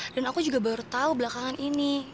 dan aku juga baru tau belakangan ini